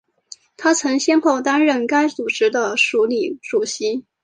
她曾先后担任该组织的署理主席。